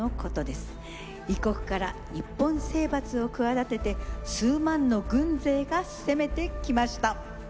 異国から日本征伐を企てて数万の軍勢が攻めてきました。